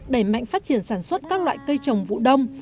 đẩy mạnh phát triển sản xuất các loại cây trồng vụ đông